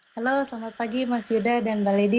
halo selamat pagi mas yuda dan mbak lady